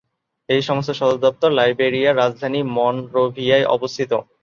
এই সংস্থার সদর দপ্তর লাইবেরিয়ার রাজধানী মনরোভিয়ায় অবস্থিত।